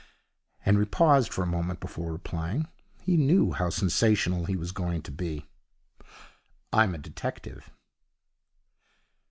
Henry paused for a moment before replying. He knew how sensational he was going to be. 'I'm a detective.'